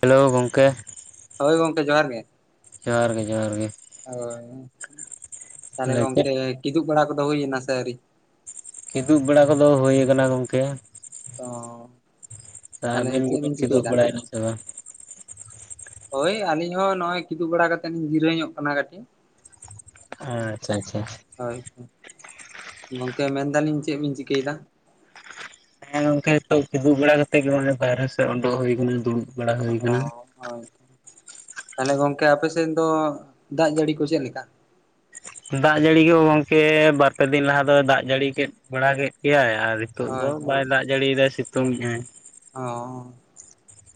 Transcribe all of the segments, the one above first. Hello ᱜᱚᱢᱠᱮ, ᱦᱚᱳᱭ ᱜᱚᱝᱠᱮ ᱡᱚᱦᱟᱨ ᱜᱮ᱾ ᱡᱚᱦᱟᱨ ᱜᱮ ᱡᱚᱦᱟᱨ ᱜᱮ᱾ ᱦᱳᱭ ᱛᱟᱦᱚᱞᱮ ᱜᱚᱢᱠᱮ ᱠᱤᱫᱩᱜ ᱵᱟᱲᱟ ᱠᱚᱫᱚ ᱦᱩᱭᱮᱱᱟ ᱥᱮ ᱟᱹᱣᱨᱤ? ᱠᱤᱫᱩᱜ ᱵᱮᱲᱟ ᱠᱚᱫᱚ ᱦᱩ ᱟᱠᱟᱱᱟ ᱜᱚᱝᱠᱮ᱾ ᱚ ᱛᱚ ᱛᱟᱦᱚᱞᱮ ᱟᱵᱤᱱ ᱜᱮ ᱪᱮᱫ ᱵᱤᱱ ᱠᱤᱫᱩᱜ ᱪᱤᱠᱟᱹᱭᱮᱫᱟ ᱵᱟᱲᱟ ᱭᱮᱱᱟ ᱥᱮ ᱵᱟᱝ? ᱦᱳᱭ ᱟᱹᱞᱤᱧ ᱦᱚᱸ ᱱᱚᱜᱼᱚᱭ ᱠᱤᱫᱩᱜ ᱵᱟᱲᱟ ᱠᱟᱛᱮᱫ ᱞᱤᱧ ᱡᱤᱨᱟᱹᱣ ᱧᱚᱜ ᱟᱠᱟᱱᱟ ᱠᱟᱹᱴᱤᱡ᱾ ᱟᱪᱪᱷᱟ ᱟᱪᱪᱷᱟ ᱦᱳᱭ᱾ ᱜᱚᱝᱠᱮ ᱢᱮᱱᱫᱟ ᱞᱤᱧ ᱪᱮᱫ ᱵᱤᱱ ᱪᱤᱠᱟᱹ ᱭᱮᱫᱟ? ᱦᱮᱸ ᱜᱚᱝᱠᱮ ᱛᱚ ᱠᱤᱫᱩᱜ ᱵᱟᱲᱟ ᱠᱟᱛᱮ ᱜᱮ ᱵᱟᱨᱦᱮ ᱥᱮᱫ ᱩᱰᱩᱠ ᱦᱩᱭ ᱟᱠᱟᱱᱟ ᱫᱩᱲᱩᱵ ᱵᱟᱲᱟ ᱚ ᱦᱩᱭ ᱟᱠᱟᱱᱟ ᱦᱳᱭ ᱛᱚ ᱛᱟᱦᱚᱞᱮ ᱜᱚᱝᱠᱮ ᱟᱯᱮ ᱥᱮᱫ ᱫᱚ ᱫᱟᱜ ᱡᱟᱹᱲᱤ ᱠᱚᱫᱚ ᱪᱮᱫ ᱞᱮᱠᱟ? ᱫᱟᱜ ᱡᱟᱹᱲᱤ ᱜᱮ ᱜᱚᱝᱠᱮ ᱵᱟᱨ ᱯᱮ ᱫᱤᱱ ᱞᱟᱦᱟ ᱫᱚᱭ ᱫᱟᱜ ᱡᱟᱹᱲᱤ ᱠᱮᱫ ᱵᱟᱲᱟ ᱠᱮᱫ ᱜᱮᱭᱟᱭ ᱟᱨ ᱱᱤᱛᱚᱜ ᱦᱳᱭ ᱫᱚ ᱦᱳᱭ ᱵᱟᱭ ᱫᱟᱜ ᱡᱟᱹᱲᱤ ᱭᱮᱫᱟ ᱥᱤᱛᱩᱝ ᱮᱜ ᱟᱭ᱾ ᱚ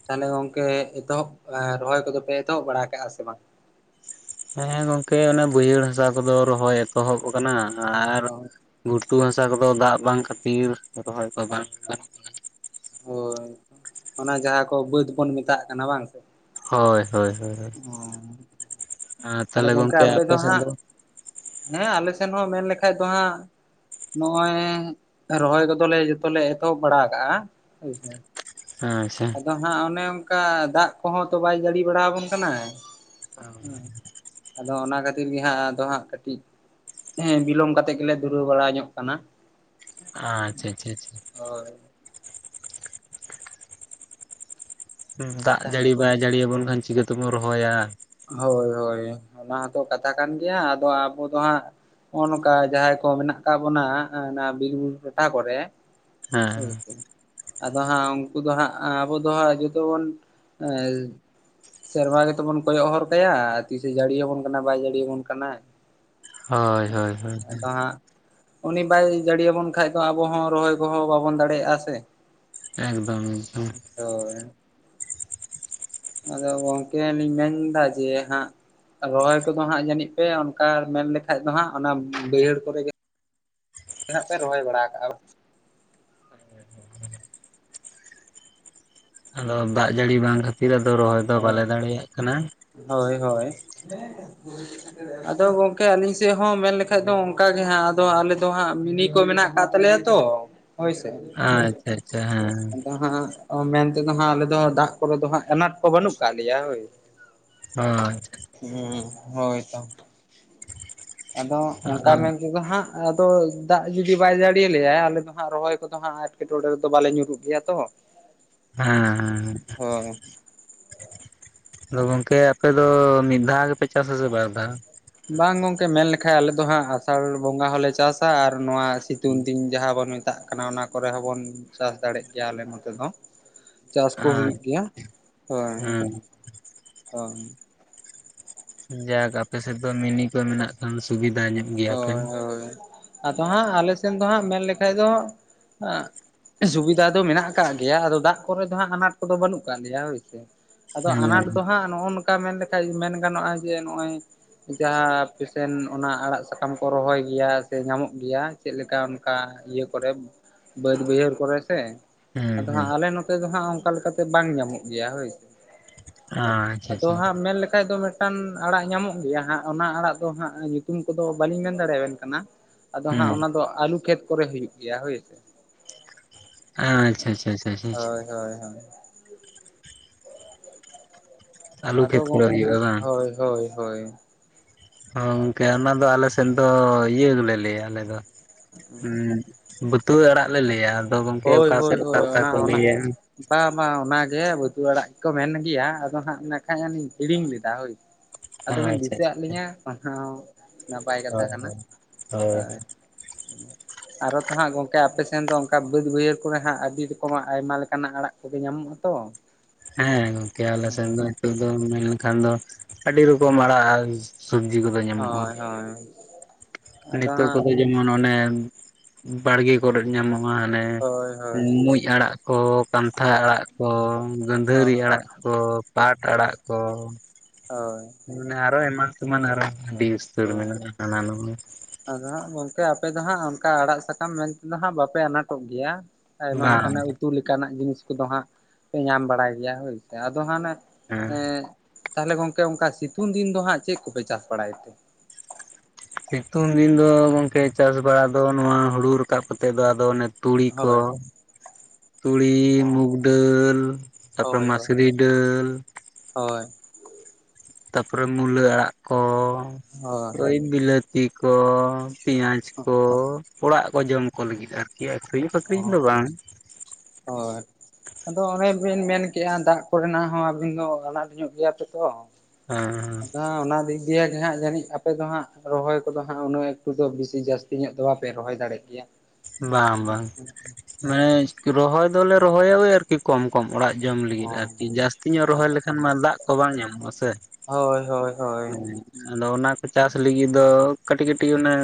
ᱛᱟᱦᱚᱞᱮ ᱜᱚᱝᱠᱮ ᱮᱛᱚᱦᱚᱵ ᱨᱚᱦᱚᱭ ᱠᱚᱫᱚ ᱯᱮ ᱮᱛᱚᱦᱚᱵ ᱵᱟᱲᱟ ᱟᱠᱟᱜᱼᱟ ᱥᱮ ᱵᱟᱝ? ᱦᱮᱸ ᱜᱚᱝᱠᱮ ᱚᱱᱮ ᱵᱟᱹᱭᱦᱟᱹᱲ ᱦᱟᱸᱥᱟ ᱠᱚᱫᱚ ᱨᱚᱦᱚᱭ ᱮᱛᱚᱦᱚᱵ ᱟᱠᱟᱱᱟ ᱟᱨ ᱚ ᱜᱷᱩᱴᱩ ᱦᱟᱸᱥᱟ ᱠᱚᱫᱚ ᱫᱟᱜ ᱵᱟᱝ ᱠᱷᱟᱹᱛᱤᱨ ᱨᱚᱦᱚᱭ ᱠᱚ ᱵᱟᱝ ᱦᱳᱭ ᱚᱱᱟ ᱡᱟᱦᱟᱸ ᱠᱚ ᱵᱟᱹᱫᱽ ᱵᱚᱱ ᱢᱮᱛᱟᱜ ᱠᱟᱱᱟ ᱵᱟᱝ ᱥᱮ? ᱦᱳᱭ ᱦᱳᱭ ᱦᱳᱭ ᱚ ᱟᱨ ᱛᱟᱦᱚᱞᱮ ᱜᱚᱢᱠᱮ ᱟᱯᱮ ᱥᱮᱱ ᱫᱚ? ᱦᱮᱸ ᱟᱞᱮ ᱥᱮᱱ ᱦᱚᱸ ᱢᱮᱱ ᱞᱮᱠᱷᱟᱡ ᱫᱚ ᱦᱟᱸᱜ ᱱᱚᱜᱼᱚᱭ ᱨᱚᱦᱚᱭ ᱠᱚᱫᱚ ᱞᱮ ᱡᱚᱛᱚ ᱞᱮ ᱮᱛᱚᱦᱚᱵ ᱵᱟᱲᱟ ᱟᱠᱟᱟᱜᱼᱟ ᱦᱚᱭ ᱥᱮ, ᱦᱮᱸ ᱥᱮ ᱟᱫᱚ ᱦᱟᱸᱜ ᱚᱱᱮ ᱚᱱᱠᱟ ᱫᱟᱜ ᱠᱚᱦᱚᱸ ᱛᱚ ᱵᱟᱭ ᱡᱟᱹᱲᱤ ᱵᱟᱲᱟ ᱟᱵᱚᱱ ᱠᱟᱱᱟ᱾ ᱟᱪᱪᱷᱟ ᱟᱫᱚ ᱚᱱᱟ ᱠᱷᱟᱹᱛᱤᱨ ᱜᱮ ᱦᱟᱸᱜ ᱟᱫᱚ ᱦᱟᱸᱜ ᱠᱟᱹᱴᱤᱡ, ᱦᱮᱸ ᱵᱤᱞᱚᱢ ᱠᱟᱛᱮᱜ ᱜᱮᱞᱮ ᱫᱷᱩᱨᱟᱹᱣ ᱵᱟᱲᱟ ᱧᱚᱜ ᱠᱟᱱᱟ᱾ ᱟ ᱟᱪᱪᱷᱟ ᱟᱪᱪᱷᱟ ᱟᱪᱪᱷᱟ᱾ ᱦᱳᱭ᱾ ᱫᱟᱜ ᱡᱟᱹᱲᱤ ᱵᱟᱭ ᱡᱟᱹᱲᱤᱭᱟᱵᱚᱱ ᱠᱷᱟᱱ ᱪᱤᱠᱟᱹ ᱛᱮᱵᱚᱱ ᱨᱚᱦᱚᱭᱟ? ᱦᱳᱭ ᱦᱳᱭ ᱚᱱᱟ ᱦᱚᱸᱛᱚ ᱠᱟᱛᱷᱟ ᱠᱟᱱ ᱜᱮᱭᱟ ᱟᱫᱚ ᱟᱵᱚ ᱫᱚ ᱦᱟᱸᱜ, ᱱᱚᱜ ᱱᱚᱝᱠᱟ ᱡᱟᱦᱟᱸᱭ ᱠᱚ ᱢᱮᱱᱟᱜ ᱟᱠᱟᱜ ᱵᱚᱱᱟ ᱚᱱᱟ ᱵᱤᱨ ᱵᱩᱨᱩ ᱴᱚᱴᱷᱟ ᱠᱚᱨᱮ ᱦᱳᱭ ᱦᱮᱸ ᱛᱚ᱾ ᱟᱫᱚ ᱦᱟᱸᱜ ᱩᱱᱠᱩ ᱫᱚ ᱦᱟᱸᱜ ᱟᱵᱚ ᱫᱚ ᱦᱟᱸᱜ ᱡᱚᱛᱚ ᱵᱚᱱ ᱮᱸ ᱥᱮᱨᱢᱟ ᱜᱮᱛᱚᱵᱚᱱ ᱠᱚᱭᱚᱜ ᱦᱚᱨ ᱠᱟᱭᱟ ᱛᱤᱥᱼᱮ ᱡᱟᱹᱲᱤ ᱟᱵᱚᱱ ᱠᱟᱱᱟ ᱵᱟᱭ ᱡᱟᱹᱲᱤᱭᱟᱵᱚᱱ ᱠᱟᱱᱟᱭ᱾ ᱦᱳᱭ ᱦᱳᱭ ᱦᱳᱭ᱾ ᱩᱱᱤ ᱵᱟᱭ ᱡᱟᱹᱲ ᱟᱵᱚᱱ ᱠᱷᱟᱱᱡ ᱫᱚ ᱟᱵᱚᱦ ᱦᱚᱸ ᱨᱚᱦᱚᱭ ᱠᱚᱦᱚᱸ ᱵᱟᱵᱚᱱ ᱫᱟᱲᱮᱭᱟᱜᱼᱟ ᱥᱮ ᱮᱠᱫᱚᱢ ᱮᱠᱫᱚᱢ᱾ ᱦᱳᱭ᱾ ᱟᱫᱚ ᱜᱚᱝᱠᱮ ᱞᱤᱧ ᱢᱮᱱᱫᱟ ᱡᱮ ᱦᱟᱸᱜ ᱨᱚᱦᱚᱭ ᱠᱚᱫᱚ ᱦᱟᱸᱜ ᱡᱟᱹᱱᱤᱡ ᱯᱮ ᱚᱱᱠᱟ ᱢᱮᱱ ᱞᱮᱠᱷᱟᱡ ᱫᱚ ᱦᱟᱸᱜ ᱚᱱᱟ ᱵᱟᱹᱭᱦᱟᱹᱲ ᱠᱚᱨᱮ ᱜᱮ ᱱᱟᱜ ᱯᱮ ᱨᱚᱦᱚᱭ ᱵᱟᱲᱟ ᱟᱠᱟᱜᱼᱟ ᱦᱮ, ᱟᱫᱚ ᱫᱟᱜ ᱡᱟᱹᱲᱤ ᱵᱟᱝ ᱠᱷᱟᱹᱛᱤᱨ ᱟᱫᱚ ᱨᱚᱦᱚᱭ ᱫᱚ ᱵᱟᱞᱮ ᱫᱟᱲᱮᱭᱟᱜ ᱠᱟᱱᱟ᱾ ᱦᱳᱭ ᱦᱳᱭ᱾ ᱟᱫᱚ ᱜᱚᱝᱠᱮ ᱟᱞᱤᱧ ᱥᱮᱫ ᱦᱚᱸ ᱢᱮᱱ ᱞᱮᱠᱷᱟᱡ ᱫᱚ ᱚᱱᱠ ᱜᱮ ᱦᱟᱸ ᱟᱫᱚ ᱟᱞᱮ ᱫᱚ ᱦᱟᱸᱜ ᱢᱤᱱᱤ ᱠᱚ ᱢᱮᱱᱟᱜ ᱟᱠᱟᱫ ᱛᱟᱞᱮᱭᱟ ᱛᱚ, ᱦᱚᱭ ᱥᱮ᱾ ᱟᱪ-ᱪᱷᱟ ᱟᱪᱪᱷᱟ ᱦᱮᱸ᱾ ᱟᱫᱚ ᱦᱟᱸᱜ ᱢᱮᱱᱛᱮᱫᱚ ᱦᱟᱸᱜ ᱟᱞᱮ ᱫᱚ ᱫᱟᱜ ᱠᱚᱨᱮ ᱫᱚ ᱦᱟᱸᱜ ᱟᱱᱟᱴ ᱠᱚ ᱵᱟᱹᱱᱩᱜ ᱠᱟᱜ ᱞᱮᱭᱟ ᱦᱳᱭ᱾ ᱦᱚᱭ᱾ ᱦᱮᱸ ᱦᱳᱭ ᱛᱚ᱾ ᱟᱫᱚ ᱚᱱᱠᱟ ᱦᱮᱸ ᱢᱮᱱ ᱛᱮᱫᱚ ᱦᱟᱸᱜ ᱟᱫᱚ ᱫᱟᱜ ᱡᱩᱫᱤ ᱵᱟᱭ ᱡᱟᱹᱲᱤᱭᱟᱞᱮᱭᱟ ᱟᱞᱮ ᱫᱚ ᱦᱟᱸᱜ ᱨᱚᱦᱚᱭ ᱠᱚᱫᱚ ᱦᱟᱸᱜ ᱮᱴᱠᱮᱴᱚᱬᱮ ᱨᱮᱫᱚ ᱵᱟᱞᱮ ᱧᱩᱨᱩᱜ ᱜᱮᱭᱟ ᱛᱚ ᱦᱮᱸ ᱦᱮᱸ᱾ ᱦᱳᱭ ᱟᱫᱚ ᱜᱚᱝᱠᱮ ᱟᱯᱮ ᱫᱚ ᱢᱤᱫ ᱫᱷᱟᱣ ᱜᱮᱯᱮ ᱪᱟᱥ ᱟᱥᱮ ᱵᱟᱨ ᱫᱷᱟᱣ? ᱵᱟᱝ ᱜᱚᱝᱠᱮ ᱢᱮᱱ ᱞᱮᱠᱷᱟ ᱟᱞᱮ ᱫᱚ ᱦᱟᱸᱜ ᱟᱥᱟᱲ ᱵᱚᱸᱜᱟ ᱦᱚᱸᱞᱮ ᱪᱟᱥ ᱟᱨ ᱱᱚᱣᱟ ᱥᱤᱛᱩᱝ ᱫᱤᱱ ᱡᱟᱦᱟᱸ ᱵᱚᱱ ᱢᱮ ᱢᱮᱛᱟᱜ ᱠᱟᱱᱟ ᱚᱱᱟ ᱠᱚᱨᱮ ᱦᱚᱸᱵᱚᱱ ᱪᱟᱥ ᱫᱟᱲᱮᱭᱟᱜ ᱜᱮᱭᱟ ᱟᱞᱮ ᱱᱚᱛᱮ ᱫᱚ᱾ ᱪᱟᱥ ᱠᱚ ᱦᱩᱭᱩᱜ ᱟᱪ ᱜᱮᱭᱟ ᱦᱳᱭ ᱦᱮᱸ ᱦᱳᱭ᱾ ᱡᱟᱠ ᱟᱯᱮᱥᱮᱫ ᱫᱚ ᱢᱤᱱᱤ ᱠᱚ ᱢᱮᱱᱟᱜ ᱠᱷᱟᱱ ᱥᱩᱵᱤᱫᱟ ᱧᱚᱜ ᱜᱮᱭᱟ ᱦᱳᱭ ᱯᱮ᱾ ᱦᱳᱭ ᱟᱫᱚ ᱦᱟᱸᱜ ᱟᱞᱮ ᱥᱮᱱ ᱫᱚ ᱦᱟᱸᱜ ᱢᱮᱱ ᱞᱮᱠᱷᱟᱡ ᱫᱚ ᱥᱩᱵᱤᱫᱷᱟ ᱫᱚ ᱢᱮᱱᱟᱜ ᱟᱠᱟᱫ ᱜᱮᱭᱟ ᱟᱫᱚ ᱫᱟᱜ ᱠᱚᱨᱮ ᱫᱚ ᱦᱟᱸᱜ ᱟᱱᱟᱴ ᱠᱚᱫᱚ ᱵᱟᱹᱱᱩᱜ ᱟᱠᱟᱫ ᱞᱮᱭᱟ ᱦᱳᱭ ᱥᱮ ᱟᱫᱚ ᱟᱱᱟᱴ ᱦᱩᱸ ᱫᱚ ᱦᱟᱸᱜ ᱱᱚᱜᱼᱚ ᱱᱚᱝᱠᱟ ᱢᱮᱱ ᱞᱮᱠᱷᱟᱱ ᱢᱮᱱ ᱜᱟᱱᱚᱜᱼᱟ ᱡᱮ ᱱᱚᱜᱼᱚᱭ ᱡᱟᱦᱟᱸ ᱯᱮᱥᱮᱱᱴ ᱚᱱᱟ ᱟᱲᱟᱜ ᱥᱟᱠᱟᱢ ᱠᱚ ᱨᱚᱦᱚᱭ ᱜᱮᱭᱟ ᱥᱮ ᱧᱟᱢᱚᱜ ᱜᱮᱭᱟ ᱪᱮᱫ ᱞᱮᱠᱟ ᱚᱱᱠᱟ ᱤᱭᱟᱹ ᱠᱚᱨᱮ ᱵᱟᱹᱫ ᱵᱟᱹᱭᱦᱟᱹᱲ ᱠᱚᱨᱮ ᱥᱮ ᱦᱩᱸ ᱟᱫᱚ ᱦᱩᱸ ᱦᱟᱸᱜ ᱟᱞᱮ ᱱᱚᱛᱮ ᱫᱚ ᱦᱟᱸᱜ ᱚᱱᱠᱟ ᱞᱮᱠᱟᱛᱮ ᱵᱟᱝ ᱧᱟᱢᱚᱜ ᱜᱮᱭᱟ ᱦᱳᱭ ᱥᱮ ᱟᱪᱪᱷᱟ ᱟᱫᱚ ᱟᱪᱪᱷᱟ ᱦᱟᱸᱜ ᱢᱮᱱᱞᱠᱷᱟᱡ ᱫᱚ ᱢᱤᱫ ᱢᱤᱫᱴᱟᱱ ᱟᱲᱟᱜ ᱧᱟᱢᱚᱜ ᱜᱮᱭᱟ ᱦᱟᱸᱜ ᱚᱱᱟ ᱟᱲᱟᱜ ᱫᱚ ᱦᱟᱸᱜ ᱧᱩᱛᱩᱢ ᱠᱚᱫᱚ ᱵᱟᱹᱞᱤᱧ ᱢᱮᱱ ᱫᱟᱲᱮᱭᱟᱵᱮᱱ ᱠᱟᱱᱟ᱾ ᱟᱫᱚ ᱦᱟᱸᱜ ᱦᱩᱸ ᱚᱱᱟ ᱫᱚ ᱟᱹᱞᱩ ᱠᱷᱮᱛ ᱠᱚᱨᱮ ᱦᱩᱭᱩᱜ ᱜᱮᱭᱟ ᱦᱳᱭ ᱥᱮ᱾ ᱟ ᱟᱪᱪᱷ ᱟᱪᱷᱟ᱾ ᱦᱳᱭ ᱦᱳᱭ ᱦᱳᱭ᱾ ᱟᱹᱞᱩ ᱟᱫᱚ ᱠᱷᱮᱛ ᱠᱚᱨᱮ ᱦᱩᱭᱩᱜᱼᱟ ᱵᱟᱝ ᱦᱳᱭ ᱦᱳᱭ ᱦᱳᱭ᱾ ᱜᱚᱝᱠᱮ ᱚᱱᱟ ᱫᱚ ᱟᱞᱮ ᱥᱮᱫ ᱫᱚ ᱤᱭᱟᱹ ᱜᱮᱞᱮ ᱞᱟᱹᱭᱟ ᱟᱞᱮ ᱫᱚ ᱦᱮ᱾ ᱵᱟᱹᱛᱩᱣᱟᱹ ᱟᱲᱟᱜ ᱞᱮ ᱞᱟᱹᱭᱟ ᱟᱫᱚ ᱜᱚᱝᱠᱮ ᱦᱳᱭ ᱚᱠᱟ ᱦᱳᱭ ᱥᱮᱫ ᱚᱠᱟ ᱦᱳᱭ ᱚᱠᱟ ᱚᱱᱟ ᱠᱚ ᱚᱱᱟ ᱞᱟᱹᱭᱟ᱾ ᱵᱟᱝ ᱵᱟᱝ ᱚᱱᱟᱜᱮ ᱵᱟᱹᱛᱩ ᱟᱲᱟᱜ ᱜᱮᱠᱚ ᱢᱮᱱ ᱜᱮᱭᱟ ᱟᱫᱚ ᱦᱟᱜ ᱢᱮᱱᱠᱷᱟᱱᱟᱱᱤᱧ ᱦᱤᱲᱤᱧ ᱞᱮᱫᱟ ᱦᱳᱭ᱾ ᱟᱫᱚ ᱵᱤᱱ ᱟᱪᱪᱷᱟ ᱫᱤᱥᱟᱹᱟᱫ ᱞᱤᱧᱟᱹ ᱚᱱᱟ ᱦᱚᱸ ᱱᱟᱯᱟᱭ ᱠᱟᱛᱷᱟ ᱦᱳᱭ ᱠᱟᱱᱟ ᱦᱳᱭ ᱦᱳᱭ᱾ ᱟᱨᱚ ᱛᱚ ᱦᱟᱸᱜ ᱜᱚᱝᱠᱮ ᱟᱯᱮ ᱥᱮᱱ ᱫᱚ ᱚᱱᱠᱟ ᱵᱟᱹᱫ ᱵᱟᱹᱭᱦᱟᱹᱲ ᱠᱚᱨᱮ ᱦᱟᱸᱜ ᱟᱹᱰᱤ ᱨᱚᱠᱚᱢᱟᱜ ᱟᱭᱢᱟ ᱞᱮᱠᱟᱱᱟᱜ ᱟᱲᱟᱜ ᱠᱚᱜᱮ ᱧᱟᱢᱚᱜ-ᱟ ᱛᱚ᱾ ᱦᱮᱸ ᱜᱚᱝᱠᱮ ᱟᱞᱮ ᱥᱮᱫ ᱫᱚ ᱱᱤᱛᱚᱜ ᱫᱚ ᱢᱮᱱ ᱞᱮᱠᱷᱟᱱ ᱫᱚ ᱟᱹᱰᱤ ᱨᱚᱠᱚᱢ ᱟᱲᱟᱜ ᱥᱚᱵᱽᱡᱤ ᱠᱚᱫᱚ ᱧᱟᱢᱚᱜ-ᱟ᱾ ᱦᱚᱭ᱾ ᱱᱤᱛᱚᱜ ᱠᱚᱫᱚ ᱡᱮᱢᱚᱱ ᱚᱱᱮ ᱵᱟᱲᱜᱮ ᱠᱚᱨᱮᱮᱫ ᱧᱟᱢᱚᱜ-ᱟ ᱦᱟᱱᱮ ᱦᱳᱭ ᱦᱳᱭ ᱢᱩᱸᱡ ᱟᱲᱟᱜ ᱠᱚ ᱠᱟᱱᱛᱷᱟ ᱦᱳᱭ ᱟᱲᱟᱜ ᱠᱚ ᱦᱳᱭ ᱜᱟᱹᱫᱷᱟᱹᱨᱤ ᱟᱲᱟᱜ ᱠᱚ ᱯᱟᱴ ᱟᱲᱟᱜ ᱠᱚ᱾ ᱦᱳᱭ᱾ ᱟᱨᱚ ᱮᱢᱟᱱ ᱛᱮᱢᱟᱱ ᱟᱨᱚ ᱟᱹᱰᱤ ᱩᱛᱟᱹᱨ ᱦᱳᱭ ᱢᱮᱱᱟᱜ-ᱟ ᱦᱟᱱᱟ ᱱᱚᱣᱟ ᱟᱫᱚ ᱦᱟᱸᱜ ᱜᱚᱝᱠᱮ ᱟᱯᱮ ᱫᱚ ᱦᱟᱸᱜ ᱚᱱᱠᱟ ᱟᱲᱟᱜ ᱥᱟᱠᱟᱢ ᱢᱮᱱ ᱛᱮᱫᱚ ᱦᱟᱸᱜ ᱵᱟᱯᱮ ᱟᱱᱟᱴᱚᱜ ᱜᱮᱭᱟ? ᱟᱭᱢᱟ ᱵᱟᱝ ᱞᱮᱠᱟᱱᱟᱜ ᱩᱛᱩ ᱞᱮᱠᱟᱱᱟᱜ ᱡᱤᱱᱤᱥ ᱠᱚᱫᱚ ᱦᱟᱸᱜ ᱯᱮ ᱧᱟᱢ ᱵᱟᱲᱟᱭ ᱜᱮᱭᱟ ᱦᱳᱭᱥᱮ ᱟᱫᱚ ᱦᱟᱱᱮ ᱦᱮᱸ ᱮ ᱛᱟᱦᱚᱞᱮ ᱜᱚᱝᱠᱮ ᱚᱱᱠᱟ ᱥᱤᱛᱩᱝ ᱫᱤᱱ ᱫᱚ ᱦᱟᱸᱜ ᱪᱮᱫ ᱠᱚᱯᱮ ᱪᱟᱥ ᱵᱟᱲᱟᱭ ᱛᱮ? ᱥᱤᱛᱩᱝ ᱫᱤᱱ ᱫᱚ ᱜᱚᱝᱠᱮ ᱪᱟᱥ ᱵᱟᱲᱟ ᱫᱚ ᱱᱚᱣᱟ ᱦᱩᱲᱩ ᱨᱟᱠᱟᱵ ᱠᱟᱛᱮᱫ ᱫᱚ ᱟᱫᱚ ᱚᱱᱮ ᱛᱩᱲᱤ ᱠᱚ ᱦᱳᱭ ᱛᱩᱲᱤ ᱚ ᱢᱩᱜᱽ ᱰᱟᱹᱞ ᱛᱟᱯᱚᱨᱮ ᱢᱟᱥᱨᱤ ᱰᱟᱹᱞ᱾ ᱦᱚᱭ ᱛᱟᱯᱚᱨᱮ ᱢᱩᱞᱟᱹ ᱟᱲᱟᱜ ᱠᱚ ᱳᱭ ᱵᱤᱞᱟᱹᱛᱤ ᱠᱚ, ᱯᱮᱸᱭᱟᱡᱽ ᱦᱳᱭ ᱠᱚ ᱚᱲᱟᱜ ᱠᱚ ᱡᱚᱢ ᱠᱚ ᱞᱟᱹᱜᱤᱫ ᱟᱨᱠᱤ ᱟᱹᱠᱷᱨᱤᱧ ᱷᱟᱠᱷᱨᱤᱧ ᱫᱚ ᱵᱟᱝ᱾ ᱦᱚᱭ ᱟᱫᱚ ᱚᱱᱮ ᱵᱤᱱ ᱢᱮᱱᱠᱮᱜ-ᱟ ᱫᱟᱜ ᱠᱚ ᱨᱮᱱᱟᱜ ᱦᱚᱸ ᱟᱵᱤᱱ ᱫᱚ ᱟᱱᱟᱴ ᱧᱚᱜ ᱜᱮᱭᱟ ᱯᱮ ᱛᱚ᱾ ᱦᱮᱸ ᱟᱫᱚ ᱦᱟᱸᱜ ᱚᱱᱟ ᱫᱤ ᱤᱭᱟᱹ ᱜᱮ ᱦᱟᱸᱜ ᱡᱟᱹᱱᱤᱡ ᱟᱯᱮ ᱫᱚ ᱦᱟᱸᱜ ᱨᱚᱦᱚᱭ ᱠᱚᱫᱚ ᱦᱟᱸᱜ ᱩᱱᱟᱹᱜ ᱮᱠᱴᱩ ᱫᱚ ᱵᱤᱥᱤ ᱡᱟᱥᱛᱤ ᱧᱚᱜ ᱫᱚ ᱵᱟᱯᱮ ᱨᱚᱦᱚᱭ ᱫᱟᱲᱮᱜ ᱜᱮᱭᱟ᱾ ᱵᱟᱝ ᱵᱟᱝ ᱢᱟᱱᱮ ᱨᱚᱦᱚᱭ ᱫᱚᱞᱮ ᱨᱚᱦᱚᱭᱟ ᱳᱭ ᱟᱨ ᱠᱤ ᱠᱚᱢ ᱠᱚᱢ ᱚᱲᱟᱜ ᱡᱚᱢ ᱚ ᱞᱟᱹᱜᱤᱫ ᱟᱨᱠᱤ ᱡᱟᱹᱥᱛᱤ ᱧᱚᱜ ᱨᱚᱦᱚᱭ ᱞᱮᱠᱷᱟᱱ ᱢᱟ ᱫᱟᱜ ᱠᱚ ᱵᱟᱝ ᱧᱟᱢᱚᱜ-ᱟ ᱥᱮ᱾ ᱦᱳᱭ ᱦᱳᱭ ᱦᱳᱭ ᱟᱫᱚ ᱚᱱᱟ ᱠᱚ ᱪᱟᱥ ᱞᱟᱹᱜᱤᱫ ᱫᱚ ᱠᱟᱹᱴᱤᱡ ᱠᱟᱹᱴᱤᱡ ᱚᱱᱮ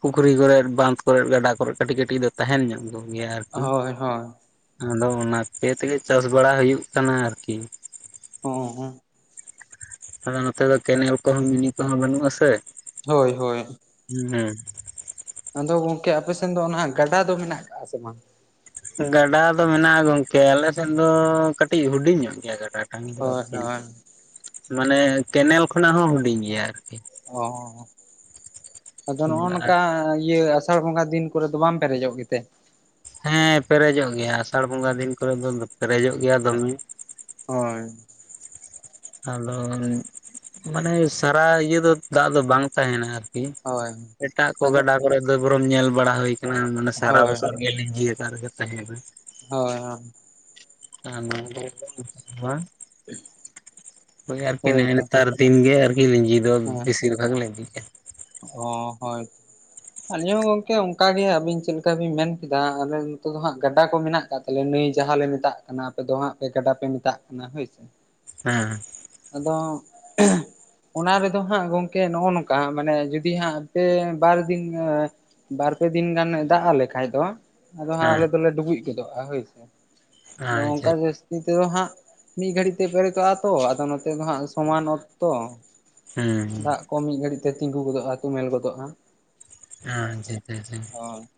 ᱯᱩᱠᱷᱨᱤ ᱠᱚᱨᱮᱫ ᱵᱟᱸᱫᱽ ᱠᱚᱨᱮᱫ ᱜᱟᱰᱟ ᱠᱚᱨᱮᱫ ᱠᱟᱹᱴᱤᱡ ᱠᱟᱴᱤᱡ ᱫᱚ ᱛᱟᱦᱮᱱ ᱧᱚᱜ ᱜᱚᱜ ᱜᱮᱭᱟ ᱟᱨᱠᱤ᱾ ᱦᱳᱭ ᱦᱳᱭ ᱟᱫᱚ ᱚᱱᱟ ᱯᱮ ᱛᱮᱜᱮ ᱪᱟᱥ ᱵᱟᱲᱟ ᱦᱩᱭᱩᱜ ᱠᱟᱱᱟ ᱟᱨᱠᱤ᱾ [unintelligible] ᱟᱫᱚ ᱱᱚᱛᱮ ᱫᱚ ᱠᱮᱱᱮᱞ ᱠᱚᱦᱚᱸ ᱢᱤᱱᱤ ᱠᱚᱦᱚᱸ ᱵᱟᱹᱱᱩᱜ-ᱟ ᱥᱮ᱾ ᱦᱳᱭ ᱦᱳᱭ ᱦᱩᱸ [unintelligible] ᱟᱫᱚ ᱜᱚᱝᱠᱮ ᱟᱯᱮ ᱥᱮᱱ ᱫᱚ ᱚᱱᱟ ᱜᱟᱰᱟ ᱫᱚ ᱢᱮᱱᱟᱜ ᱠᱟᱜ-ᱟ ᱥᱮ ᱵᱟᱝ? ᱜᱟᱰᱟ ᱫᱚ ᱢᱮᱱᱟᱜ-ᱟ ᱜᱚᱝᱠᱮ ᱟᱞᱮ ᱥᱮᱫ ᱫᱚ ᱠᱟᱹᱴᱤᱡ ᱦᱩᱰᱤᱧ ᱧᱚᱜ ᱜᱮᱭᱟ ᱜᱟᱰᱟ᱾ [unintelligible] ᱫᱚ ᱦᱳᱭ ᱟᱨᱠᱤ ᱦᱳᱭ ᱢᱟᱱᱮ ᱠᱮᱱᱮᱞ ᱠᱷᱚᱱᱟᱜ ᱦᱚᱸ ᱦᱩᱰᱤᱧ ᱜᱮᱭᱟ ᱟᱨ ᱚ ᱦᱚᱸ ᱦᱚᱸ ᱟᱫᱚ ᱱᱚᱜ-ᱚ ᱟᱨ ᱱᱚᱠᱟ ᱤᱭᱟᱹ ᱥᱟᱲ ᱵᱚᱸᱜᱟ ᱫᱤᱱ ᱠᱚᱨᱮ ᱫᱚ ᱵᱟᱢ ᱯᱮᱨᱮᱡᱚᱜ ᱜᱮᱛᱮ? ᱦᱮᱸ ᱯᱮᱨᱮᱡᱚᱜ ᱜᱮᱭᱟ ᱟᱥᱟᱲ ᱵᱚᱸᱜᱟ ᱫᱤᱱ ᱠᱚᱨᱮ ᱫᱚ ᱯᱮᱨᱮᱡᱚᱜ ᱜᱮᱭᱟ ᱫᱚᱢᱮ᱾ ᱦᱚᱭ ᱟᱫᱚ ᱢᱟᱱᱮ ᱥᱟᱨᱟ ᱤᱭᱟᱹ ᱫᱚ ᱫᱟᱜ ᱫᱚ ᱵᱟᱝ ᱛᱟᱦᱮᱱᱟ ᱟᱨ ᱠᱤ ᱦᱳᱭ ᱮᱴᱟᱜ ᱠᱚ ᱟᱫᱚ ᱜᱟᱰᱟ ᱠᱚᱨᱮ [unintelligible] ᱵᱚᱨᱚᱢ ᱧᱮᱞ ᱵᱟᱲᱟ ᱦᱩᱭ ᱟᱠᱟᱱᱟ ᱢᱟᱱᱮ ᱥᱟᱨᱟ ᱦᱳᱭ ᱵᱚᱥᱚᱨ ᱜᱮ ᱞᱤᱡᱤ ᱟᱠ ᱨᱮᱜᱮ ᱛᱟᱦᱮᱸᱱᱟ᱾ ᱦᱚᱭ ᱦᱚᱭ [unintelligible] ᱦᱳᱭ ᱟᱨᱠᱤ ᱱᱮᱜᱮ ᱱᱮᱛᱟᱨ ᱫᱤᱱᱜᱮ ᱟᱨᱠᱤ ᱞᱤᱸᱡᱤ ᱫᱚ ᱵᱤᱥᱤᱨ ᱵᱷᱟᱜᱽ ᱞᱤᱸᱡᱤᱜ-ᱟ᱾ ᱚᱸ ᱦᱚᱭ ᱟᱞᱤᱧ ᱦᱚᱸ ᱜᱚᱝᱠᱮ ᱚᱱᱠᱟ ᱜᱮ ᱟᱵᱤᱱ ᱪᱮᱫ ᱞᱮᱠᱟ ᱵᱤᱱ ᱢᱮᱱ ᱠᱮᱫᱟ ᱟᱞᱮ ᱱᱚᱛᱮ ᱫᱚ ᱦᱟᱸᱜ ᱜᱟᱰᱟ ᱠᱚ ᱢᱮᱱᱟᱜ ᱠᱟᱜ ᱛᱟᱞᱮ ᱱᱟᱹᱭ ᱡᱟᱦᱟᱸᱞᱮ ᱢᱮᱛᱟᱜ ᱠᱟᱱᱟ ᱟᱯᱮ ᱫᱚ ᱦᱟᱸᱜ ᱯᱮ ᱜᱟᱰᱟ ᱯᱮ ᱢᱮᱛᱟᱜ ᱠᱟᱱᱟ ᱦᱳᱭᱥᱮ᱾ [unintelligible] ᱟᱫᱚ [unintelligible] ᱚᱱᱟ ᱨᱮᱫᱚ ᱦᱟᱸᱜ ᱜᱚᱝᱠᱮ ᱱᱚᱜ-ᱚ ᱱᱚᱠᱟ ᱢᱟᱱᱮ ᱡᱩᱫᱤ ᱦᱟᱸᱜ ᱯᱮ ᱵᱟᱨ ᱫᱤᱱ ᱮᱸ ᱵᱟᱨ ᱯᱮ ᱫᱤᱱ ᱜᱟᱱ ᱫᱟᱜ ᱟᱞᱮ ᱠᱷᱟᱡ ᱫᱚ ᱟᱫᱚ ᱦᱟᱸᱜ ᱦᱮᱸ ᱟᱞᱮ ᱫᱚᱞᱮ ᱰᱩᱵᱩᱡ ᱜᱚᱫᱚᱜ-ᱟ ᱦᱳᱭᱥᱮ ᱟᱫᱚ ᱟᱪᱪᱷᱟ ᱚᱱᱠᱟ ᱜᱮ ᱛᱤᱛᱮᱫᱚ ᱦᱟᱸᱜ ᱢᱤᱫ ᱜᱷᱟᱹᱲᱤᱡ ᱛᱮ ᱯᱮᱨᱮᱛᱚᱜ-ᱟ ᱛᱚ ᱟᱫᱚ ᱱᱚ ᱛᱮ ᱫᱚ ᱦᱟᱸᱜ ᱥᱚᱢᱟᱱ ᱚᱛ ᱛᱚ, ᱦᱩᱸ ᱫᱟᱜ ᱠᱚ ᱢᱤᱫ ᱜᱷᱟᱹᱲᱤᱡ ᱛᱮ ᱛᱤᱸᱜᱩ ᱜᱚᱫᱚᱜ-ᱟ ᱛᱩᱢᱮᱞ ᱜᱚᱫᱚᱜ-ᱟ᱾ ᱦᱟᱸ ᱪᱮ ᱪᱮ ᱪᱮ᱾ ᱚᱸ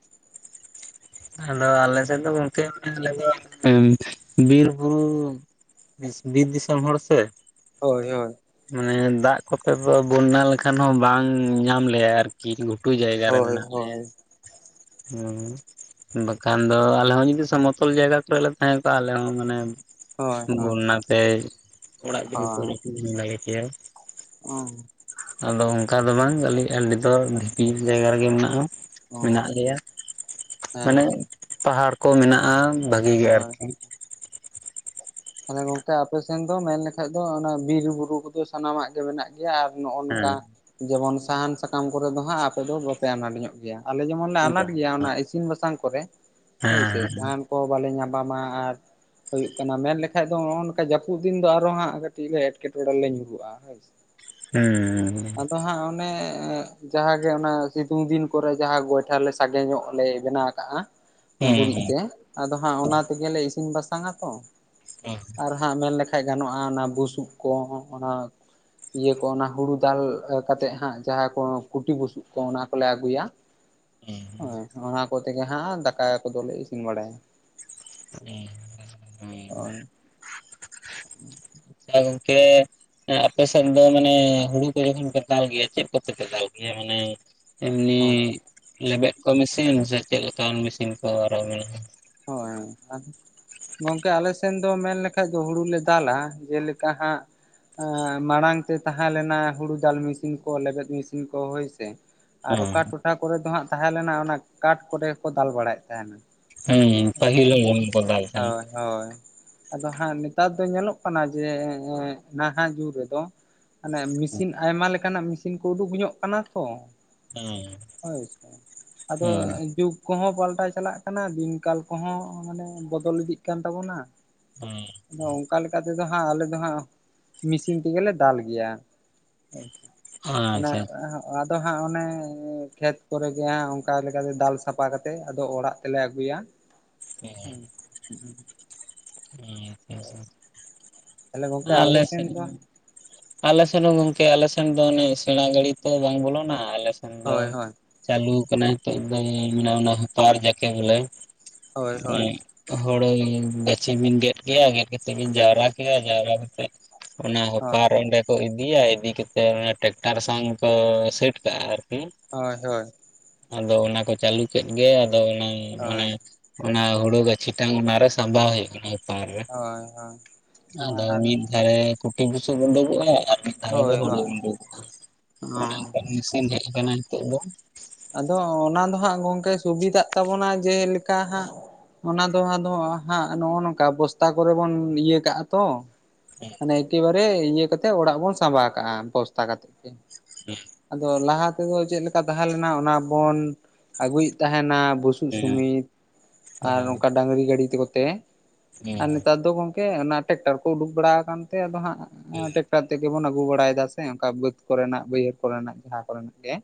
ᱟᱫᱚ ᱟᱞᱮ ᱥᱮᱫ ᱫᱚ ᱜᱚᱝᱠᱮ [inaudible] ᱟᱞᱮ ᱫᱚ ᱵᱤᱨ-ᱵᱩᱨᱩ ᱵᱤᱨ ᱫᱤᱥᱚᱢ ᱦᱚᱲ ᱥᱮ᱾ ᱦᱳᱭ ᱦᱳᱭ ᱢᱟᱱᱮ ᱫᱟᱜ ᱠᱚᱛᱮ ᱫᱚ ᱵᱚᱱᱱᱟ ᱞᱮᱠᱷᱟᱱ ᱦᱚᱸ ᱵᱟᱝ ᱧᱟᱢ ᱞᱮᱭᱟᱭ ᱟᱨ ᱠᱤ ᱜᱷᱩᱴᱩ ᱡᱟᱭᱜᱟ ᱨᱮ ᱦᱳᱭ ᱢᱮᱱᱟᱜ ᱞᱮᱭᱟ ᱦᱳᱭ ᱩᱸ᱾ ᱵᱟᱠᱷᱟᱱ ᱫᱚ ᱟᱞᱮ ᱦᱚᱸ ᱡᱩᱫᱤ ᱥᱚᱢᱚᱛᱚᱞ ᱡᱟᱭᱜᱟ ᱠᱚᱨᱮᱞᱮ ᱛᱟᱦᱮᱸ ᱠᱚᱜᱼᱟ ᱟᱞᱮ ᱦᱚᱸ ᱢᱟᱱᱮ ᱦᱳᱭ ᱦᱳᱭ ᱵᱚᱱᱱᱟ ᱛᱮᱭ ᱚᱲᱟᱜ ᱰᱤᱰᱟᱹ ᱠᱚᱭ [unintelligible] ᱠᱮᱭᱟᱭ᱾ ᱚ ᱟᱫᱚ ᱚᱝᱠᱟ ᱫᱚ ᱵᱟᱝ ᱟᱞᱤᱧ ᱟᱹᱰᱤ ᱫᱚ ᱰᱷᱤᱯᱤ ᱡᱟᱭᱜᱟ ᱨᱮᱜᱮ ᱢᱮᱱᱟᱜᱼᱟ᱾ ᱢᱮᱱᱟᱜ ᱦᱳᱭ ᱞᱮᱭᱟ, ᱢᱟᱱᱮ ᱯᱟᱦᱟᱲ ᱠᱚ ᱢᱮᱱᱟᱜᱼᱟ ᱵᱷᱟᱹᱜᱤ ᱜᱮ ᱟᱨᱠᱤ᱾ ᱛᱟᱞᱦᱮ ᱜᱚᱝᱠᱮ ᱟᱯᱮᱥᱮᱱ ᱫᱚ ᱢᱮᱱ ᱞᱮᱠᱷᱟᱡ ᱫᱚ ᱚᱱᱟ ᱵᱤᱨ ᱵᱩᱨᱩ ᱠᱚᱫᱚ ᱥᱟᱱᱟᱢᱟᱜ ᱜᱮ ᱢᱮᱱᱟᱜ ᱜᱮᱭᱟ ᱟᱨ ᱱᱚᱜᱼᱚ ᱦᱮᱸ ᱱᱚᱝᱠᱟ ᱡᱮᱢᱚᱱ ᱥᱟᱦᱟᱱ ᱥᱟᱠᱟᱢ ᱠᱚᱨᱮ ᱫᱚ ᱦᱟᱸᱜ ᱟᱯᱮ ᱫᱚ ᱵᱟᱯᱮ ᱟᱱᱟᱴ ᱧᱚᱜ ᱜᱮᱭᱟ᱾ ᱟᱞᱮ ᱡᱮᱢᱚᱱ ᱞᱮ ᱦᱮᱸ ᱦᱩᱸ ᱟᱱᱟᱴ ᱜᱮᱭᱟ ᱚᱱᱟ ᱤᱥᱤᱱ ᱵᱟᱥᱟᱝ ᱠᱚᱨᱮ ᱦᱳᱭᱥᱮ ᱦᱮᱸ᱾ ᱠᱚ ᱵᱟᱞᱮ ᱧᱟᱯᱟᱢᱟ ᱟᱨ ᱦᱩᱭᱩᱜ ᱠᱟᱱᱟ ᱢᱮᱱᱞᱮ ᱠᱷᱟᱡ ᱫᱚ ᱱᱚᱜᱼᱚ ᱱᱚᱝᱠᱟ ᱡᱟᱹᱯᱩᱫ ᱫᱤᱱ ᱫᱚ ᱟᱨᱚ ᱦᱟᱸᱜ ᱠᱟᱹᱴᱤᱡ ᱞᱮ ᱮᱴᱠᱮᱴᱚᱬᱮ ᱞᱮ ᱧᱩᱨᱩᱜᱼᱟ ᱦᱳᱭ ᱥᱮ᱾ ᱦᱩᱸ ᱟᱫᱚ ᱦᱟᱸᱜ ᱚᱱᱮ ᱡᱟᱦᱟᱸᱜᱮ ᱚᱱᱟ ᱥᱤᱛᱩᱝ ᱫᱤᱱ ᱠᱚᱨᱮ ᱡᱟᱦᱟᱸ ᱜᱚᱭᱴᱷᱟ ᱞᱮ ᱥᱟᱜᱮ ᱧᱚᱜ ᱞᱮ ᱵᱮᱱᱟᱣ ᱠᱟᱜᱼᱟ᱾ ᱜᱩᱨᱤᱡ ᱛᱮ ᱦᱮᱸ ᱟᱫᱚ ᱦᱟᱸᱜ ᱚᱱᱟ ᱛᱮᱜᱮᱞᱮ ᱤᱥᱤᱱ ᱵᱟᱥᱟᱝᱟ ᱛᱚ᱾ ᱚ ᱟᱨ ᱦᱟᱸᱜ ᱢᱮᱱ ᱞᱮᱠᱷᱟᱡ ᱜᱟᱱᱚᱜᱼᱟ ᱚᱱᱟ ᱵᱩᱥᱩᱵ ᱠᱚ ᱚᱱᱟ ᱤᱭᱟᱹ ᱠᱚ ᱚᱱᱟ ᱦᱩᱲᱩ ᱫᱟᱞ ᱠᱟᱛᱮᱜ ᱦᱟᱸᱜ ᱡᱟᱦᱟᱸ ᱠᱚ ᱠᱩᱴᱤ ᱵᱩᱥᱩᱵ ᱠᱚ ᱚᱱᱟ ᱠᱚᱞᱮ ᱟᱹᱜᱩᱭᱟ᱾ ᱦᱳᱭ ᱦᱮᱸ ᱚᱱᱟ ᱠᱚᱛᱮ ᱜᱮ ᱦᱟᱸᱜ ᱫᱟᱠᱟ ᱠᱚᱫᱚᱞᱮ ᱤᱥᱤᱱ ᱵᱟᱲᱟᱭᱟ᱾ ᱩᱸ ᱦᱮᱸ᱾ ᱦᱳᱭ [inaudible] ᱮ ᱜᱚᱝᱠᱮ ᱮ ᱟᱯᱮ ᱥᱮᱫ ᱫᱚ ᱢᱟᱱᱮ ᱦᱩᱲᱩ ᱠᱚ ᱡᱚᱠᱷᱚᱱ ᱯᱮ ᱫᱟᱞ ᱜᱮᱭᱟ ᱪᱮᱫ ᱠᱚᱛᱮ ᱯᱮ ᱫᱟᱞ ᱜᱮᱭᱟ ᱢᱟᱱᱮ ᱮᱢᱱᱤ ᱦᱳᱭ ᱞᱮᱵᱮᱫ ᱠᱚ ᱢᱤᱥᱤᱱ ᱥᱮ ᱪᱮᱫ ᱞᱮᱠᱟᱱ ᱢᱤᱥᱤᱱ ᱠᱚ? [unintelligible] ᱦᱳᱭ ᱟᱫᱚ ᱜᱚᱝᱠᱮ ᱟᱞᱮ ᱥᱮᱱ ᱫᱚ ᱢᱮᱱ ᱞᱮᱠᱟᱡ ᱫᱚ ᱦᱩᱲᱩ ᱞᱮ ᱫᱟᱞᱟ ᱡᱮᱞᱮᱠᱟ ᱦᱟᱸᱜ ᱮᱸ ᱢᱟᱲᱟᱝ ᱛᱮ ᱛᱟᱦᱮᱸ ᱞᱮᱱᱟ ᱦᱩᱲᱩ ᱫᱟᱞ ᱢᱤᱥᱤᱱ ᱠᱚ ᱞᱮᱵᱮᱫ ᱢᱤᱥᱤᱱ ᱠᱚ ᱦᱳᱭᱥᱮ᱾ ᱟᱨ ᱦᱮᱸ ᱚᱠᱟ ᱴᱚᱴᱷᱟ ᱠᱚᱨᱮ ᱫᱚ ᱦᱟᱸᱜ ᱛᱟᱦᱮᱸ ᱞᱮᱱᱟ ᱚᱱᱟ ᱠᱟᱴ ᱠᱚᱨᱮ ᱜᱮᱠᱚ ᱫᱟᱞ ᱵᱟᱲᱟᱭᱮᱜ ᱛᱟᱦᱮᱱᱟ᱾ ᱦᱮᱸ ᱯᱟᱹᱦᱤᱞ [inaudible] ᱫᱟᱞ ᱛᱟᱦᱮᱸᱱᱟ᱾ ᱦᱳᱭ ᱦᱳᱭ ᱟᱫᱚ ᱦᱟᱸᱜ ᱱᱮᱛᱟᱨ ᱫᱚ ᱧᱮᱞᱚᱜ ᱠᱟᱱᱟ ᱡᱮ ᱮᱸ ᱱᱟᱦᱟᱜ ᱡᱩᱜᱽ ᱨᱮᱫᱚ ᱟᱱᱮ ᱢᱤᱥᱤᱱ ᱟᱭᱢᱟ ᱞᱮᱠᱟᱱᱟᱜ ᱢᱤᱥᱤᱱ ᱠᱚ ᱩᱰᱩᱠ ᱧᱚᱜ ᱠᱟᱱᱟ ᱛᱚ᱾ ᱦᱮᱸ ᱦᱳᱭ ᱥᱮ ᱟᱫᱚ ᱦᱮᱸ ᱡᱩᱜᱽ ᱠᱚᱦᱚᱸ ᱯᱟᱞᱴᱟᱣ ᱪᱟᱞᱟᱜ ᱠᱟᱱᱟ ᱫᱤᱱᱠᱟᱞ ᱠᱚᱦᱚᱸ ᱢᱟᱱᱮ ᱵᱚᱫᱚᱞ ᱤᱫᱤᱜ ᱠᱟᱱ ᱛᱟᱵᱚᱱᱟ᱾ ᱦᱩᱸ ᱟᱫᱚ ᱚᱝᱠᱟ ᱞᱮᱠᱟ ᱛᱮᱫᱚ ᱦᱟᱸᱜ ᱟᱞᱮ ᱫᱚ ᱦᱟᱸᱜ ᱢᱤᱥᱤᱱ ᱛᱮᱜᱮᱞᱮ ᱫᱟᱞ ᱜᱮᱭᱟ᱾ ᱚᱱᱮ ᱟᱪᱪᱷᱟ ᱮᱸ ᱟᱫᱚ ᱦᱟᱸᱜ ᱚᱱᱮ ᱠᱷᱮᱛ ᱠᱚᱨᱮ ᱜᱮ ᱦᱟᱸᱜ ᱚᱝᱠᱟ ᱞᱮᱠᱟᱛᱮ ᱫᱟᱞ ᱥᱟᱯᱷᱟ ᱠᱟᱛᱮᱜ ᱟᱫᱚ ᱚᱲᱟᱜ ᱛᱮᱞᱮ ᱟᱹᱜᱩᱭᱟ᱾ [inaudible] ᱛᱟᱦᱞᱮ ᱜᱚᱝᱠᱮ [inaudible] ᱟᱯᱮ ᱟᱞᱮ ᱥᱮᱱ ᱥᱮᱫ ᱫᱚ ᱦᱚᱸ᱾ ᱟᱞ ᱥᱮᱱ ᱦᱚᱸ ᱜᱚᱝᱠᱮ ᱟᱞᱮ ᱥᱮᱱ ᱫᱚ ᱚᱱᱮ ᱥᱮᱬᱟ ᱜᱟᱹᱲᱤ ᱛᱚ ᱵᱟᱝ ᱵᱚᱞᱚᱱᱟ ᱟᱞᱮ ᱫᱚ ᱦᱳᱭ ᱦᱳᱭ ᱪᱟᱹᱞᱩᱣ ᱠᱟᱱᱟ ᱦᱤᱛᱚᱜ ᱫᱚ ᱚᱱᱟ ᱦᱚᱛᱚ ᱟᱨ ᱡᱟᱠᱮ ᱵᱚᱞᱮ ᱦᱳᱭ ᱦᱳᱭ [inaudible] ᱦᱚᱲᱳᱭ ᱵᱮ [unintelligible] ᱜᱮᱫ ᱠᱭᱟ ᱜᱮᱫ ᱠᱟᱛᱮᱫ ᱜᱮᱧ ᱡᱟᱣᱨᱟ ᱠᱮᱭᱟ ᱡᱟᱣᱨᱟ ᱠᱟᱛᱮ ᱚᱱᱟ ᱦᱳᱭ ᱦᱚᱯᱟᱨ ᱚᱸᱰᱮ ᱠᱚ ᱤᱫᱤᱭᱟ ᱤᱫᱤ ᱠᱟᱛᱮᱫ ᱚᱱᱟ ᱴᱠᱴᱟᱨ ᱥᱟᱝ ᱠᱚ ᱥᱮᱴ ᱠᱟᱜᱼᱟ ᱟᱨᱠᱤ᱾ ᱦᱳᱭ ᱦᱳᱭ᱾ ᱟᱫᱚ ᱚᱱᱟ ᱠᱚ ᱪᱟᱹᱞᱩ ᱠᱮᱫ ᱜᱮ ᱟᱫᱚ ᱚᱱᱟ ᱢᱟᱱᱮ ᱦᱳᱭ ᱚᱱᱟ ᱦᱩᱲᱩ ᱜᱟᱹᱪᱷᱤ ᱴᱟᱝ ᱚᱱᱟᱨᱮ ᱥᱟᱵᱟᱣ ᱦᱩᱭᱩᱜ ᱠᱟᱱᱟ ᱦᱚᱯᱟᱨ ᱨᱮ ᱦᱳᱭ ᱦᱳᱭ ᱟᱫᱚ ᱟᱨ ᱢᱤᱫ ᱡᱷᱟᱲᱮ ᱠᱩᱴᱷᱤ ᱵᱩᱥᱩᱫ ᱩᱰᱩᱠᱚᱜᱼᱟ ᱟᱨ ᱢᱤᱫ ᱫᱷᱟᱨᱮ ᱫᱚ ᱦᱳᱭ ᱦᱩᱲᱩ ᱦᱳᱭ ᱩᱰᱩᱠᱚᱜ-ᱟ ᱚ ᱚᱱᱮ ᱚᱠᱟᱱ ᱢᱮᱥᱤᱱ ᱦᱮᱡ ᱟᱠᱟᱱᱟ ᱱᱤᱛᱚᱜ ᱫᱚ᱾ ᱟᱫᱚ ᱚᱱᱟ ᱫᱚ ᱦᱟᱸᱜ ᱜᱚᱝᱠᱮ ᱥᱩᱵᱤᱫᱷᱟᱜ ᱛᱟᱵᱚᱱᱟ ᱡᱮᱞᱮᱠᱟ ᱦᱟᱸᱜ᱾ ᱚᱱᱟ ᱫᱚ ᱟᱫᱚ ᱦᱟᱸᱜ ᱱᱚᱜᱼᱚ ᱱᱚᱝᱠᱟ ᱵᱚᱥᱛᱟ ᱠᱚᱨᱮ ᱵᱚᱱ ᱤᱭᱟᱹ ᱠᱟᱜᱼᱟ ᱛᱚ᱾ ᱢᱟᱱᱮ ᱮᱠᱮᱵᱟᱨᱮ ᱤᱭᱟᱹ ᱠᱟᱛᱮᱫ ᱚᱲᱟᱜ ᱵᱚᱱ ᱥᱟᱸᱵᱟᱣ ᱠᱟᱜᱼᱟ ᱵᱚᱥᱛᱟ ᱠᱟᱛᱮᱫ ᱜᱮ᱾ ᱟᱫᱚ ᱞᱟᱦᱟ ᱛᱮᱫᱚ ᱪᱮᱫᱞᱮᱠᱟ ᱫᱟᱦᱮ ᱞᱮᱱᱟ᱾ ᱚᱱᱟ ᱵᱚᱱ ᱟᱹᱜᱩᱭᱮᱫ ᱛᱟᱦᱮᱱᱟ ᱵᱩᱥᱩᱵ ᱦᱮᱸ ᱥᱩᱢᱤᱛ ᱟᱨ ᱚᱝᱠᱟ ᱰᱟᱝᱨᱤ ᱜᱟᱹᱰᱤ ᱛᱮ ᱠᱚᱛᱮ ᱦᱮᱸ ᱟᱨ ᱱᱮᱛᱟᱨ ᱫᱚ ᱜᱚᱝᱠᱮ ᱚᱱᱟ ᱴᱮᱠᱴᱟᱨ ᱠᱚ ᱩᱰᱩᱠ ᱵᱟᱲᱟ ᱟᱠᱟᱱ ᱛᱮ ᱟᱫᱚ ᱦᱮᱸ ᱦᱟᱸᱜ ᱴᱮᱠᱴᱟᱨ ᱛᱮᱜᱮ ᱵᱚᱱ ᱟᱹᱜᱩ ᱵᱟᱲᱟᱭᱮᱫᱟ ᱥᱮ ᱚᱱᱠᱟ ᱵᱟᱹᱫ ᱠᱚᱨᱮᱱᱟᱜ ᱵᱟᱹᱭᱦᱟᱹᱲ ᱠᱚᱨᱮᱱᱟᱜ ᱡᱟᱦᱟᱸ ᱠᱚᱨᱮᱱᱟᱜ ᱜᱮ᱾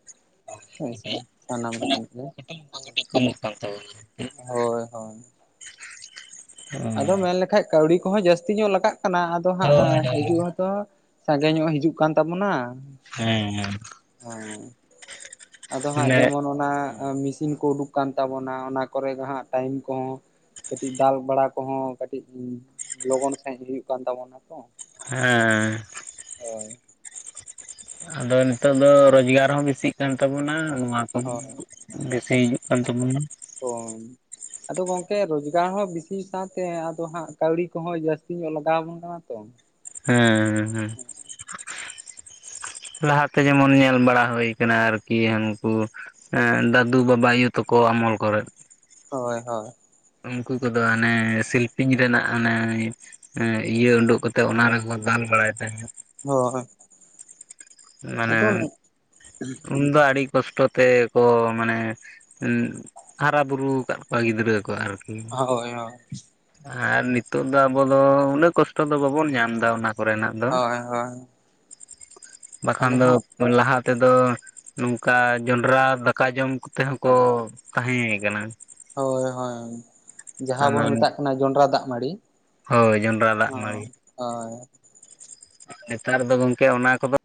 ᱦᱭ ᱥᱮ ᱠᱟᱹᱴᱤᱡ ᱥᱟᱱᱟᱢ ᱚᱱᱟ ᱞᱮᱠᱟᱱᱟᱜ ᱜᱮ ᱠᱟᱹᱴᱤᱡ ᱠᱚᱢᱚᱜ ᱠᱟᱱ ᱛᱟᱵᱚᱱᱟ ᱦᱮᱸ ᱦᱳᱭ ᱦᱳᱭ᱾ ᱟᱫᱚ ᱢᱮᱱ ᱞᱮᱠᱷᱟᱡ ᱠᱟᱹᱣᱰᱤ ᱠᱚᱦᱚᱸ ᱡᱟᱹᱥᱛᱤ ᱧᱚᱜ ᱞᱟᱜᱟᱜ ᱠᱟᱱᱟ ᱟᱫᱚ ᱦᱟᱸᱜ ᱦᱳᱭ ᱦᱳᱭ ᱦᱤᱡᱩᱜ ᱦᱚᱸᱛᱚ ᱥᱟᱸᱜᱮ ᱧᱚᱜ ᱦᱤᱡᱩᱜ ᱠᱟᱱ ᱛᱟᱵᱚᱱᱟ᱾ ᱦᱮᱸ ᱦᱚ ᱟᱫᱚ ᱦᱟᱸᱜ ᱢᱟᱱᱮ ᱡᱮᱢᱚᱱ ᱚᱱᱟ ᱦᱟᱸᱜ ᱢᱮᱥᱤᱱ ᱠᱚ ᱩᱰᱩᱠ ᱟᱠᱟᱱ ᱛᱟᱵᱚᱱᱟ ᱚᱱᱟ ᱠᱚᱨᱮᱜ ᱴᱟᱭᱤᱢ ᱠᱚᱦᱚᱸᱠᱟᱹᱴᱤᱡ ᱫᱟᱞ ᱵᱟᱲᱟ ᱠᱚᱦᱚᱸᱠᱟᱹᱴᱤᱡ ᱞᱚᱜᱚᱱ ᱥᱟᱺᱦᱤᱡ ᱦᱩᱭᱩᱜ ᱠᱟᱱ ᱛᱟᱵᱚᱱᱟ ᱛᱚ᱾ ᱦᱮᱸ᱾ ᱦᱳᱭ᱾ ᱟᱫᱚ ᱱᱤᱛᱚᱜ ᱫᱚ ᱨᱳᱡᱽᱜᱟᱨ ᱦᱚᱸ ᱵᱮᱥᱤᱜ ᱠᱟᱱ ᱛᱟᱵᱚᱱᱟ ᱱᱚᱣᱟ ᱠᱚᱦᱚᱸ ᱦᱳᱭ ᱵᱮᱥᱮ ᱦᱤᱡᱩᱜ ᱠᱟᱱ ᱛᱟᱵᱚᱱᱟ‍᱾ ᱦᱳᱭ ᱟᱫᱚ ᱜᱚᱝᱠᱮ ᱨᱚᱡᱽᱜᱟᱨ ᱦᱚᱸ ᱵᱤᱥᱤ ᱥᱟᱶᱛᱮ ᱟᱫᱚ ᱦᱟᱸᱜ ᱠᱟᱹᱣᱰᱤ ᱠᱚᱦᱚᱸ ᱡᱟᱹᱥᱛᱤ ᱧᱚᱜ ᱞᱟᱜᱟᱣ ᱟᱵᱚᱱ ᱠᱟᱱᱟ ᱛᱚ᱾ ᱦᱮᱸᱻ ᱦᱮᱸ᱾ ᱞᱟᱦᱟᱛᱮ ᱡᱮᱢᱚᱱ ᱧᱮᱞ ᱵᱟᱲᱟ ᱦᱩᱭᱩᱠ ᱟᱨᱠᱤ ᱦᱟᱱᱠᱩ ᱫᱟᱫᱩ ᱵᱟᱵᱟ ᱟᱭᱳ ᱛᱟᱠᱚ ᱟᱢᱚᱞ ᱠᱚᱨᱮᱫᱽ᱾ ᱦᱳᱭ ᱦᱳᱭ᱾ ᱩᱱᱠᱩ ᱠᱚᱫᱚ ᱦᱟᱱᱮ ᱥᱤᱞᱯᱤᱧ ᱨᱮᱱᱟᱜ ᱟᱱᱮᱭ ᱤᱭᱟᱹ ᱩᱰᱩᱠ ᱠᱟᱛᱮᱜ ᱚᱱᱟ ᱨᱮᱠᱚ ᱫᱟᱞ ᱵᱟᱲᱟᱭ ᱛᱟᱦᱮᱸᱫᱽ᱾ ᱦᱳᱭ᱾ ᱢᱟᱱᱮ ᱟᱫᱚ ᱦᱳᱭ ᱩᱱᱫᱚ ᱟᱹᱰᱤ ᱠᱚᱥᱴᱚ ᱛᱮ ᱠᱚ ᱢᱟᱱᱮ ᱦᱟᱨᱟ ᱵᱩᱨᱩ ᱟᱠᱟᱫ ᱠᱚᱣᱟ ᱜᱤᱫᱽᱨᱟᱹ ᱠᱚ ᱟᱨᱠᱤ᱾ ᱦᱳᱭ ᱦᱳᱭ᱾ ᱟᱨ ᱱᱤᱛᱳᱜ ᱫᱚ ᱟᱵᱚ ᱫᱚ ᱩᱱᱟᱹᱜ ᱠᱚᱥᱴᱚ ᱫᱚ ᱵᱟᱵᱚᱱ ᱧᱟᱢ ᱮᱫᱟ ᱚᱱᱟ ᱠᱚᱨᱮᱱᱟᱜ᱾ ᱫᱚ ᱦᱳᱭ ᱦᱳᱭ᱾ ᱵᱟᱠᱷᱟᱱ ᱟᱫᱚ ᱫᱚ ᱦᱟᱸᱜ ᱞᱟᱦᱟ ᱛᱮᱫᱚ ᱱᱚᱝᱠᱟ ᱡᱚᱸᱱᱰᱨᱟ ᱫᱟᱠᱟ ᱡᱚᱢ ᱠᱚᱛᱮ ᱦᱚᱸᱠᱚ ᱛᱟᱦᱮᱸ ᱠᱟᱱᱟ᱾ ᱦᱳᱭ ᱦᱳᱭ᱾ ᱡᱟᱦᱟᱸ ᱟᱫᱚ ᱵᱚᱱ ᱢᱮᱛᱟᱜ ᱠᱟᱱᱟ ᱡᱚᱸᱱᱰᱨᱟ ᱫᱟᱜ ᱢᱟᱹᱲᱤ ᱦᱳᱭ ᱡᱚᱱᱰᱨᱟ ᱫᱟᱜ ᱚ ᱢᱟᱹᱲᱤ ᱦᱚᱭ᱾ ᱱᱮᱛᱟᱨ ᱫᱚ ᱜᱚᱝᱠᱮ ᱚᱱᱟ ᱠᱚᱫᱚ